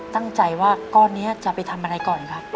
ตั้งใจว่าก้อนนี้จะไปทำอะไรก่อนครับ